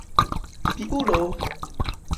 Piulo!